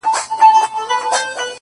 • هوښیاران چي پر دې لار کړي سفرونه ,